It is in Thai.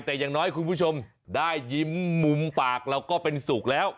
แต่อย่างน้อยคุณผู้ชมได้ยิ้มมุมปากเราก็เป็นสุขแล้ว